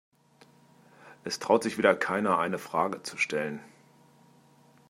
Es traut sich wieder keiner, eine Frage zu stellen.